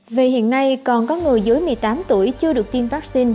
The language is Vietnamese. vì hiện nay còn có người dưới một mươi tám tuổi chưa được tiêm vaccine